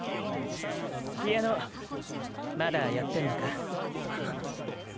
ピアノまだやってんのか？